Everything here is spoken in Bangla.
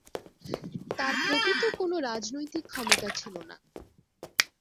তার প্রকৃত কোনো রাজনৈতিক ক্ষমতা ছিল না।